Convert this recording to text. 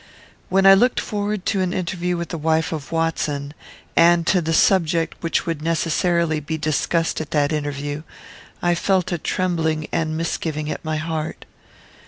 When I looked forward to an interview with the wife of Watson, and to the subject which would be necessarily discussed at that interview, I felt a trembling and misgiving at my heart.